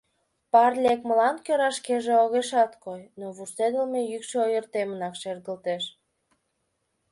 Пар лекмылан кӧра шкеже огешат кой, но вурседылме йӱкшӧ ойыртемынак шергылтеш.